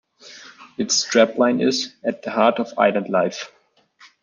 Its strapline is: "At the heart of island life".